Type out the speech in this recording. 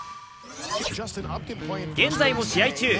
現在も試合中。